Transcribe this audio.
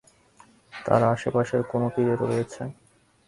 তারা আশপাশের কোনো তীরে রয়েছে।